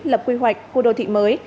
lập quy hoạch khu đô thị mới